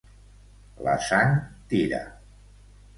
La sang tira.